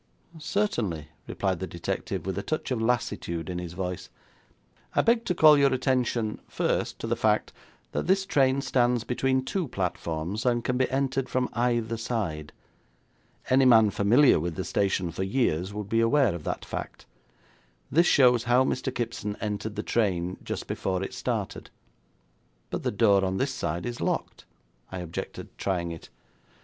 'Certainly,' replied the detective, with a touch of lassitude in his voice. 'I beg to call your attention, first, to the fact that this train stands between two platforms, and can be entered from either side. Any man familiar with the station for years would be aware of that fact. This shows how Mr. Kipson entered the train just before it started.' 'But the door on this side is locked,' I objected, trying it.